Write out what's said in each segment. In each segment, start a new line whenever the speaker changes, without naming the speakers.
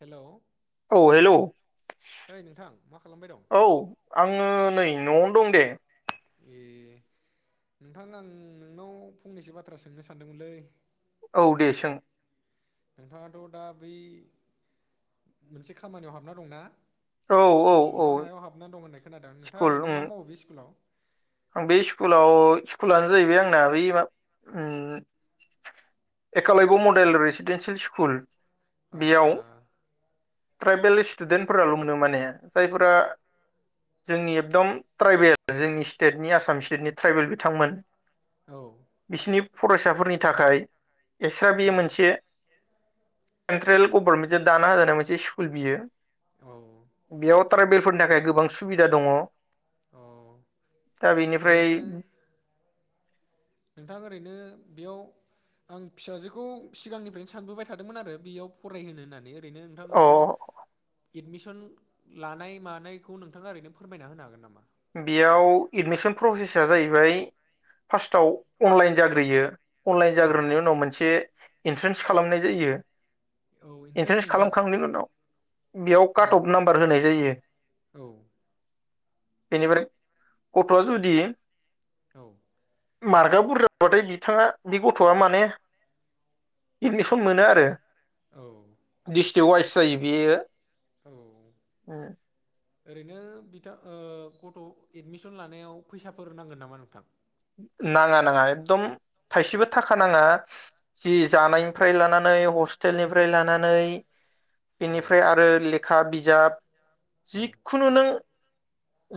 Hello
औ hello
ओइ नोंथां मा खालामबाय दं
औ आङो नै न'आवनो दं दे
ए नोंथां आं नोंनाव फंनैसो बाथ्रा सोंनो सानदोंमोनलै
औ दे सों
नोंथाङाथ' दा बै मोनसे खामानियाव हाबना दंना
औ औ
स्कुल
औ
ना मायाव हाबना दं होननाय खोनादों नोंथाङा
स्कुल उम
ओरैनो मा मावो बे स्कुलाव?
आं बे स्कुलाव-स्कुलानो जाहैबाय आंना बै मा उम एकालयब' मडेल रेसिदेेनसियेल स्कुल बेयाव
आदसा
ट्राइबेलिस स्टुदेन्टफोराल' मोनो माने जायफोरा जोंनि एकदम ट्राइबेल जोंनि स्टेटनि आसाम स्टेटनि ट्राइबेल बिथांमोन
औ
बिसिनि फरायसाफोरनि थाखाय। [unintelligible]
औ
बियो मोनसे सेन्ट्रेल गभर्नमेन्टजों दाना होजानाय मोनसे स्कुल बियो।
औ
बेयाव ट्रायभेलफोरनि थाखाय गोबां सुबिदा दङ।
औ औ
दा बेनिफ्राय
नोंथां ओरैनो बेयाव आं फिसाजोखौ सिगांनिफ्रायनो सानबोबाय थादोंमोन आरो बेयाव फरायहोनो होननानै। ओरैनो नोंथां
अ
बेयाव एडमिसन लानाय मानायखौ नोंथाङा ओरैनो फोरमायना होनो हागोन नामा?
बेयाव एडमिसन प्रसेस जाहैबाय फार्स्टआव अनलाइन जाग्रोयो। अनलाइन
औ
जाग्रोननि उनाव मोनसे इन्ट्रेन्स खालामनाय जायो।
औ एन्ट्रेन्स
इन्ट्रेन्स
एगजाम
खालामखांनायनि उनाव बेयाव
औ
काट अफ नाम्बार होनाय जायो।
औ
बेनिफ्राय गथ'आ जुदि
औ
मार्कआ बुरजा जाबाथाय बिथाङा बे गथ'आ माने एडमिसन मोनो आरो।
औ
[unintelligible] [unintelligible] जायो बेयो
औ ओरैनो बिथां ओ गथ' एडमिसन लानायाव फैसाफोर नांगोन नामा नोंथां?
नाङा नाङा एकदम थाइसेबो थाखा नाङा जि जानायनिफ्राय लानानै हस्टेलनिफ्राय लानानै।
औ
बेनिफ्राय आरो लेखा बिज [unintelligible] [unintelligible]
औ
जिखुनु नों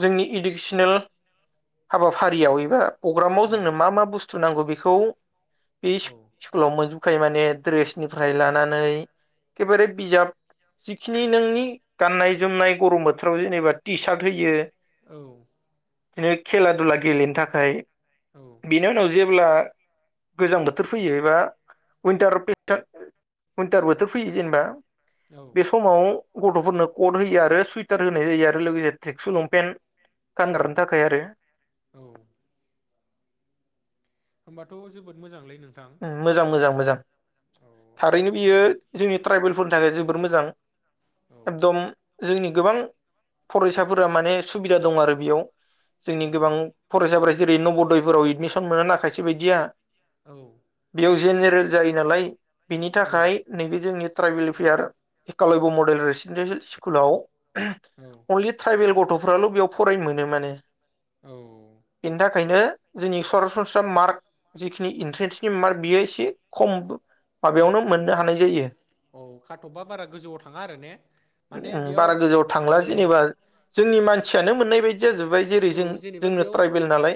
जोंनि इडुकेसनेल हाबाफारियाव एबा पग्रामाव
औ
जोंनो मा मा बुस्थु नांगौ? बेखौ बे
औ
सकुल आव [unintelligible] माने दड्रेसनिफ्राय लानानै एखेबारे बिजाब जिखिनि नोंनि गाननाय जोमनाय गरम बोथोराव जेनेबा टि सार्ट होयो।
औ
बिदिनो खेला दुला गेलेनो थाखाय
औ
बिनि उनाव जि जेब्ला गोजां बोथोर फैयो एबा उइन्टार उइन्टार बोथोर फैयो जेनेबा
औ
बे समाव गथ'फोरनो कट होयो आरो सुवइटार होनाय जायो आरो लोगोसे ट्रेकसुलंपेन्ट गानग्रारानो थाखाय आरो
औ होमबाथ' जोबोद मोजांलै नों
उम मोजां मोजां मोजां।
औ
थारैनो
आंबो
बियो जोंनि ट्राइबेलफोरनि थाखाय जो बोर मोजां
औ
एकदम जोंनि गोबां फरायसाफोरा माने सुबिदा दं आरो बेयाव
औ
जोंनि गोबां फरायसाफोरा जेरै नब दयफोराव एदमिसन मोना खायसे बायदिया
औ।
बेयाव जेनेरेल जायो नालाय बिनि थाखाय
औ
नैबे जोंनि ट्राइबेल फियार एकालयब' मडेल रेसिडेन्सियेल स्कुलाव अननेक ट्राइबेल गथ'फ्राल' बेयाव फरायनो मोनो माने।
औ
बेनि थाखायनो जोंनि सरासनस्रा मार्क जिखिनि इन्ट्रेन्स नि मार्क बियो एसे खम माबायावनो मोन नो हानाय जायो
औ खाथबा बारा गोजौआव थाङा आरो ने माने
उम
बेयाव
बारा गोजौयाव
ओ
थांला जेनेबा जोंनि मानथियानो मोनाय बाय
औ जेनेबा बेयाव
नालाय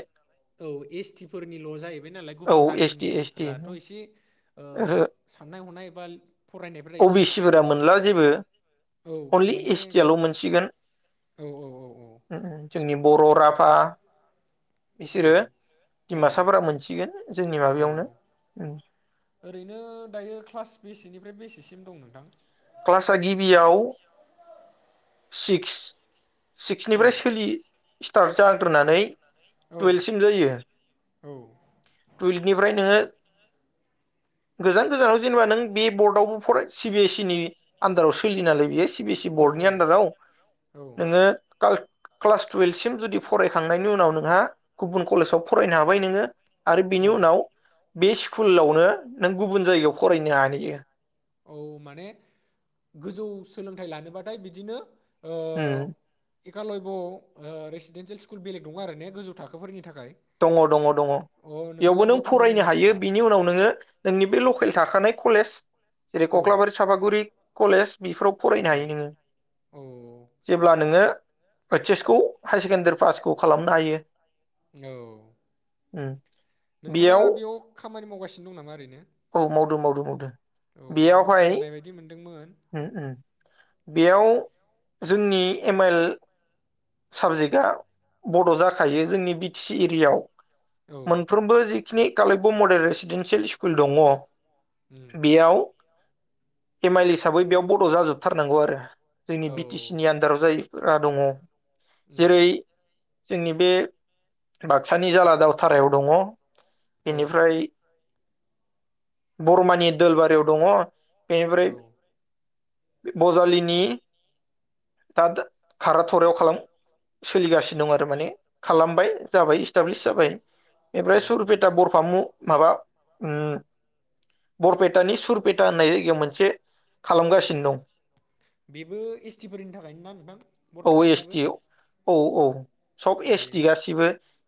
औ एस टि फोरनिल' जाहैबाय नालाय गुबुन
औ एस
हारिनि
टि
नि
एस टि
फोरथ' एसे ओ
ओहो
साननाय हनाय बा फरायनायफोरा
अ बि
एसे
सि फोरा मोनला जेबो
औ
अनलि
माने
एस टि आल'
गुबुन
मोनसिगोन
औ औ औ औ।
जोंनि बर' राभा
औ
बिसोरो दिमासाफोरा
औ
मोनसिगोन जोंनि
औ
माबायावनो
ओरैनो दायो क्लास बेसेनिफ्राय बेसे सिम दं नोंथां?
क्लास गिबियाव सिक्स
औ
सिक्सनिफ्राय सोलि स्टार्ट जाग्रोनानै
औ
टुयेल्भ सिम जायो
औ
टुयेल्भनिफ्राय नोङो गोजान गोजानाव जेनेबा नों बे बर्डआवबो फराय सिबिएस इ नि आन्दाराव सोलियो नालाय बियो सि बि सि बर्ड नि
औ
आनदाराव
औ
नोङो काल क्लास टुवेल्भसिम जुदि फरायखांनायनि उनाव नोंहा गुबुन कलेजाव फरायनो हाबाय नोङो आरो बिनि
औ
उनाव बे स्कुलावनो नों गुबुन जायगायाव फरायनो हानाय यो
औ माने गोजौ सोलोंथाइ लानोबाथाय बिदिनो ओ
हम
एकालयब' रेसिडेन्सियेल स्कुल बेलेग दङ आरो ने गोजौ थाखोफोरनि थाख
दङ दङ दङ बेयावबो नों
बेयाव थांनांगोन
फरायनो
नामा
हायो
होमबा
बिनि उनाव नोङो नोंनि बे लकेल थाखानाय कलेज जेरै
औ
कख्लाबारि साफागुरि कलेज बेफोराव फरायनो
औ
हायो नोङो
औ
जेब्ला नोङो ओतच एस खौ हाइ सेकेण्डारि पासखौ खालामनो हायो
औ
उम
नोंथाङा बेयाव खामानि मावगासि सिनो दं नामा ओरैनो
औ मावदो माव दो मावदो
औ आंबो
बेयावहाय
खोनानाय बायदि मोनदोंमोन
उम उम बेयाव जोंनि एम आइल साबजेक्टआ बड' जाखायो जोंनि बि टि सि एरियायाव
औ
मोनफ्रोमबो जि स्नि कलयब' मडेल रेसिडेन्सियेल स्कुल दङ
उम
बेयाव एम आइल हिसाबै बेयाव बड' जाजोबथारनांगौ आरो जोंनि
औ
बि टि सि नि आन्दाराव जायो फुरा दङ जेरै
उम
जोंनि बे बाक्सानि जाला दावथारायाव दङ
औ
बेनिफ्राय बरमानि दोलबारियाव दङ
औ
बेनिफ्राय ब'जालिनि दा खारा थरायाव खालाम, सोलिगासिनो दं आरो माने खालामबाय जाबाय इस्टाब्लिस जाबाय। बेनफ्राय
औ
सुरुपेटा बरफामु माबा उ बरपेट दानि सुरपेटा होननाय जायगायाव मोनसे खालामगासिनो दं
बेबो एस टिफोरनि थाखायनो ना नोंथां
औ एस
बरपेटानियाबो
टि औ औ सब
ए
एस टि गासिबो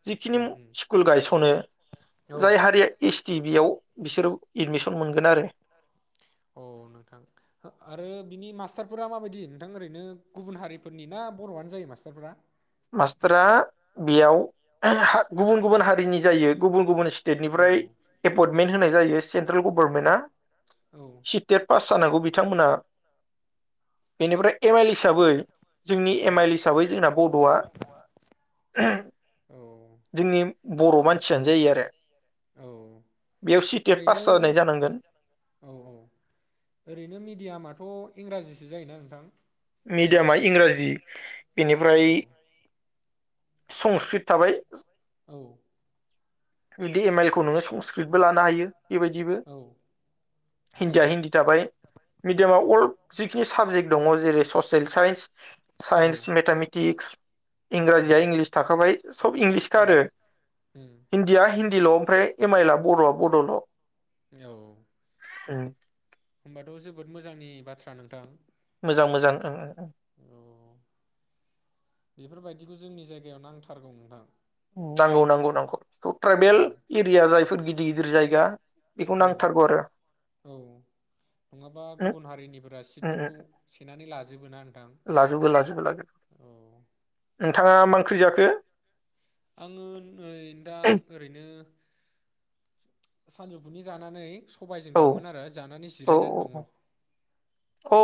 जिखिनि
उम उम
स्कुल गायस'नो जाय
औ
हारिया एस बेयाव बिसोर एदमिसन मोनगोन आरो।
अ नोंथां आरो बिनि मास्टारफोरा माबायदि नोंथां ओरैनो गुबुन हारिफोरनि ना बर'आनो जायो मास्टारफोरा
मास्टारा बेयाव गुबुन गुबुन हारिनि जायो गुबुन गुबुन
औ
स्टेटनिफ्राय एपइन्टमेन्ट होनाय जायो सेन्ट्रेल गभर्नमेन्टआ
औ
सितेट पास जानांगौ बिथांमोना बेनिफ्राय एम आइल हिसाबै जोंनि
औ
एम आइल हिसाबै जोंना बर ज [inaudible] [unintelligible]
औ
बर' मानसियानो जायो आरो
औ
बेयाव सिटेट
ओरैनो
पास जानाय जानांगोन
औ औ ओरैनो मिडियामाथ' इंराजि बिदि जायोना नोंथां
मिडियामा इंराजि
औ
बेनिफ्राय संस्कृत थाबाय।
द [inaudible] [unintelligible]
बिदि एम आइल खौ नोङो संस्कृतबो लानो हायो बेबायदिबो
औ
हिन्दीया हिन्दी थाबाय
औ
मिडियामाव अल जिखिनि साबजेक्ट दङ जेरै ससेेल साइन्स साइन्स
औ
मेथामेटक्स
उम
इंराजिया इंलिस थाखाबाय सब इंलिसखा
उम
आरो
उम
या हिन्दील' ओमफ्राय एम आइलआ बर'आ बड'ल'
औ
[unintelligible] [inaudible]
होमबाथ' जोबोद मोजांनि बाथ्रा नोंथां
मोजां मोजां ओ
औ बेफोरबायदिखौ जोंनि जायगायाव नांथारगौ नोंथां
नांगौ नांगौ नांगौ बेखौ ट्राइबेल
औ
एरिया जायफोर गिदिर गिदिर जायगा बेखौ
औ
नांथारगौ आरो
औ नङाबा
उम
गुबुन हारिनिफोरा
उम
सिटफोरखौ सेनानै लाजोब जो बोना
लाजोबो लाजोबो लागोन नोंथाङा मा ओंख्रि जाखो
आङो नै दा ओरैनो सानजौफुनि जानानै सबायजों
औ
दाउमोन आरो जानानै
औ
जिरायनानै दङ
औ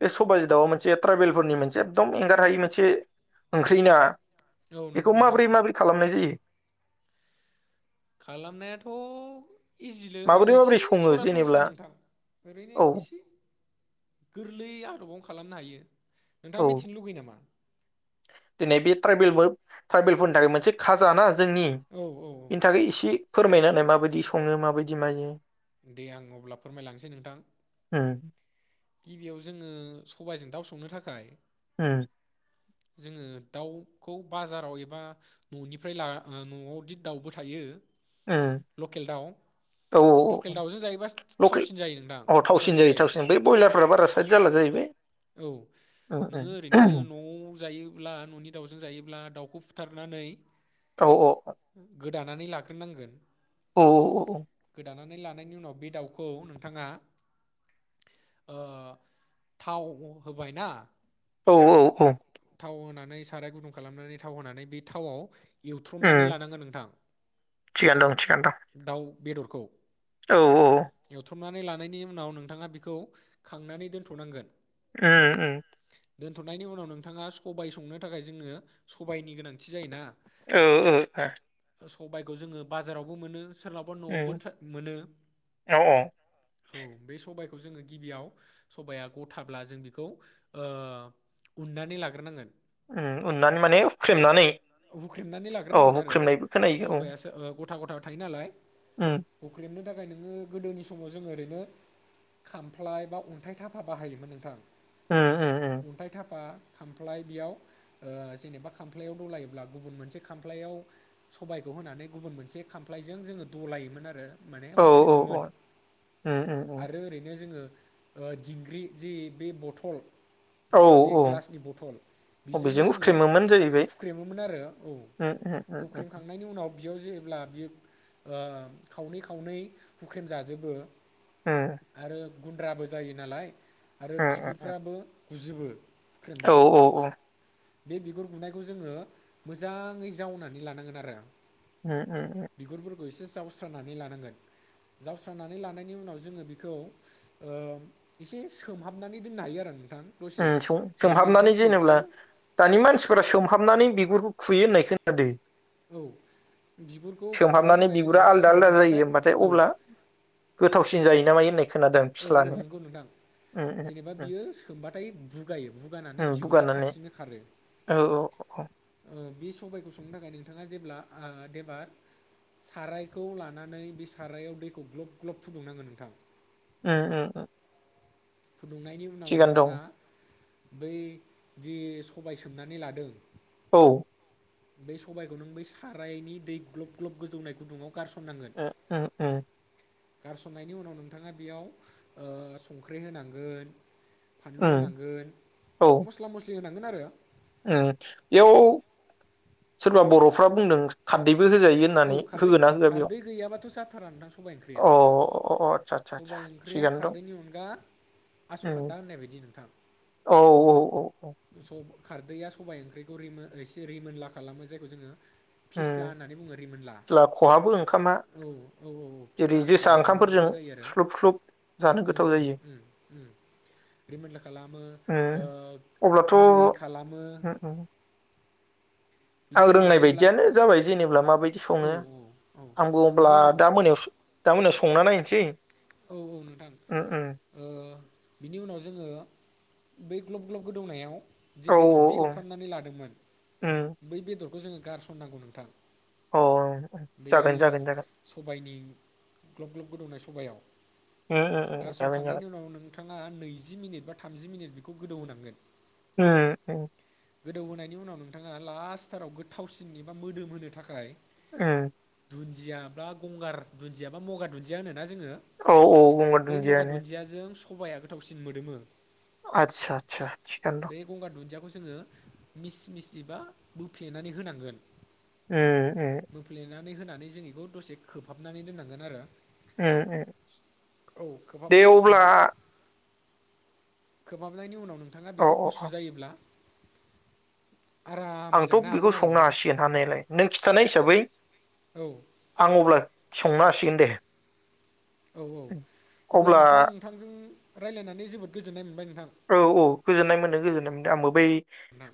बे सबायजो दावा मोनसे ट्राइबेलफोरनि मोनसे एकदम एंगारहायि मोनसे ओंख्रिना?
औ
बेखौ
नंगौ नोंथां
माबोरै माबोरै खालामनाय जायो?
खालामनायाथ' इजिलै
माबोरै माबोरै
इसे
सङो
सरासनस्रा
जेनेब्ला
नोंथां ओरैनो
औ
एसे गोरलै आ [unintelligible] खालामनो हायो।
औ
नोंथाङा मिथिनो लुगैयो नामा
दिनै बे ट्राइबेलबो ट्राइबेलफोरनि थाखाय मोनसे खाजाना जोंनि
औ औ
बेनि थाखाय इसे फोरमायना होनाय माबायदि सङो माबायदि मायो
दे आं अब्ला फोरमायलांसै नोंथां
उम
गिबियाव जोङो सबायजों दाउ संनो थाखाय
होम
जोङो दाउखौ बाजाराव एबा न'निफ्राय ला न'आवदि दाउबो थायो।
उम
लकेल दाउ
औ औ
लकेल दाउजों जायोब्ला
लकेल
थावसिन जायो नोंथां
अ थावसिन
गोथावसिन जायो।
थावसिन बै ब्रयलारफ्रा बारा साइद जाला जाहैबाय
औ
उम
नोङो ओरैनो
उम
न'आव जायोब्ला न'नि दाउजों जायोब्ला दाउ खौ फुथारनानै
औ-औ
दानानै लाग्रोनांगोन।
औ-औ
दानानै लानायनि उनाव बे दाउखौ नोंथाङा थाव होबाय ना
औ-औ-औ
थाव होनानै साराय गुदुं खालामनानै थाव होनानै बे थावाव
ओम‌ थिगानो दं थिगानो दं
दाउ बेदरखौ
औ-औ
बुथुमनानै लानायनि उनाव नोंथाङा बेखौ खांनानै दोन्थ'नांगोन
ओम ओम
दोनथ'नायनि उनाव नोंथाङा सबाय संनो थाखाय जोंनो सबायायनि गोनांथि जायोना
ओ-ओ
सबायखौ जोङो बाजाराव मोनो सोरलाबा न'आवबो
उम
मोनो
औ औ
औ बे सबबायखौ खौ जोङो गिबियाव सबाया गथाब्ला जों बेखौ उन्नानै लाग्रोनांगोन
उम उननानै माने हुख्रेमनानै
हुख्रेमनानै
औ
लाग्रोनांगोन आरो
हुख्रेमनायबो खोनायो औ
सबाइासो गथा गथा थायो नालाय
उम
हुख्रेबनो थाखाय नों [unintelligible] गोदोनि समाव जोङो ओरैनो खामफ्लाय बा अन्थाइ थाफा बाहायोमोन नोंथां।
उम उम
अन्थाय थाफा खामफ्लाय बेयाव ओ जेनेबा खामफ्लायाव दौलायो अब्ला गुबुन मोनसे खामफ्लायाव सबायखौ होनानै गुबुन मोनसे खामफ्लायजों जोङो दलायोमोन आरो। माने
औ औ
हुख्रेमोमोन
औ उम उम उम
आरो ओरैनो जोङो ओ दिंग्रि जि बे बथल
औ
बे
औ
ग्लासनि बथल
अ
बेजोंबो
बेजों
जोङो
हुख्रेमोमोन जाहैबाय
हुख्रेम [unintelligible] औ
उम उम उम
हुख्रेम खांनायनि उनाव बियाव जेब्ला बियो ओ खावनै खावनै हुख्रेम जाजोबो
उम
आरो गुन्द्राबो जायो नालाय आरो
उम उम
बिगुरफ्राबो गुजिबो
औ औ औ
बे बिगुर गुनायखौ जोङो मोजाङै जावनानै लानांगोन आरो।
उम उम उम
बिगुरफोरखौ एसे जावस्रानानै लानांगोन जावस्रानानै लानायनि उनाव जोङो बेखौ ओ एसे सोमहाबनानै दोननो हायो आरो। नोंथां दसे
उम सं
ओरैनो जि
सोहाबनानै
मिनिटसो
जेनेब्ला दानि मानसिफोरा सोमहाबनानै बिगुरखौ खुयो होननाय खोनादो।
औ बिगुरखौ खुनो
सोमहाबनानै
थाखाय जोङो
बिगुरा आलदा आलदा जायो
सोमहाबबाथाय
होमबाथाय
औ
अब्ला गोथावसिन जायो ना मायो। होननाय खोनादों
औ औ
फिस्लानो
नंगौ नोंथां
उम उम
जेनेबा
उम
बियो सोमबाथाय बुगायो बुगानानै
उम
बिगुरा
बुगानानै
खारसिनो खारो।
औ औ औ
बे सबायाइखौ संनो थाखाय नोंथाङा जेब्लाब ओ देबार सारायखौ लानानै बे सारायाव दैखौ ग्लब ग्लब फुदुंनांगोन नोंथां।
उम ओ औ
फुदुंनायनि उनाव नोंथाङा बै जि सबाय सोमनानै लादों
औ
बे सबाइखौ नों बै सारायनि दै ग्लब ग्लब गोदौनाय गुदुंआव
उम -उम- उम
गारसननायनि उनाव नोंथाङा बेयाव ओ संख्रै होनांगोन। फानलु
उम
होनांगोन
औ
मस्ला मस्लि होनां आरो
बेयाव सोरबा बर'फ्रा बुंदों खरदै- होजायो
औ
होननानै
खारदै
होगोना होआ बेयाव
खारदै गैयाबाथ' जाथारा
अ-अ-अ--आतसा-
सबायाइ ओंख्रिया खारदैनि अनगा
उम
आस'खान्दा होननाय बायदि नोंथां-
अ औ
स' खारदैया सबाइ ओंख्रिखौ रि एसे रिमोनला खालामो जायखौ जोङो-
उम
फिस्ला होननानै बुङो रिमोनला
फिस्ला खहाबो ओंखामा
औ -औ -औ -फिस्ला
जेरै
फिला
जोसा
रिमोनला
ओंखामफोरजों
जायो आरो
स्लुब स्लुब जानो
उम
गोथाव जायो
उम‌ रिमोनन्ला खालामो।
उम अब्लाथ'
गुरै
उम
खालामो-
उम
बिनि
आं
उनाव
रोंनाय
जेब्ला
बायदियानो जाबाय जेनेबब्ला माबायदि
औ
सङो
औ
आं बुब्ला
बिनि उनाव
दा मोनायाव- दामोनाव संना नायसै-
औ- औ नोंथां ओ बिनि उनाव जोङो- बै ग्लब ग्लब गोदौनायाव- जि
औ
बेदरदि
औ उम
एवफ्रामनानै लादोंमोन बै बेदर- खौ जोङो गारसनांगौ नोंथां।
औ
बै सबायनि- ग्लब ग्लब गोुदौनाय सबायाव-
उम -उम जागोन -जागोन
नोंथांआ नैजि मिनिट बा थामजि मिनिट बेखौ गोदौ होनांगोन।
उम उम
गोदौहोनायनि उनाव नोंथाङा लास्टथाराव गोथावसिन एबा मोदोम होनो थाखाय-
उम
दुन्दियायाबा गंगार दुन्दियायाबा मगार दुन्दिया होनो ना?
औ औ
ज
गंगार
बै मगा
दुन्दियानो
दुनदियाजों- सबाइाया गोथावसिन मोदोमो।
आतसा आतसा थिगानो
बे
दं।
गंगार दुन्दियाखौ जोङो- मिस मिस एबा बोफ्लेनानै होनांगोन।
उम उम
नानै होनानै जों बेखौ दसे खोबहाबनानै दोननांगोन आरो-
उम उम‌
औ
दे
खोबहाबनायनि
अब्ला-
खोमाबनायनि उनाव नों नोंथाङा
अ
बेखौ
अ
गुसु जायोब्ला आरामै
आंथ'
जानो
बेखौ
हागोन आरो
संनो
नोंथां
हासिगोन हानायलाय नों खिन्थानाय हिसाबै
औ
आं अब्ला। संना हासिगोन दे
औ औ अब्ला नोंथां नोंथांजों। रायलायनानै जोबोद गोजोननाय मोनबाय। नोंथां
औ औ गोजोननाय मोनो गोजोननाय मोनो। आंबो बै।
ना।